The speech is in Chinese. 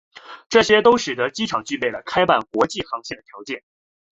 这些都使得机场具备了开办国际航线的条件。